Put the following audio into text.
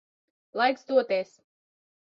Laiks doties.